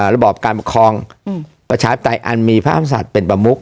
ระบอบการประคองประชาติไตรอันมีพระธรรมศาสตร์เป็นประมุข